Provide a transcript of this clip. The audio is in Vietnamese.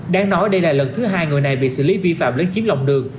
đáng nói đây là lần thứ hai người này bị xử lý vi phạm lấn chiếm lòng đường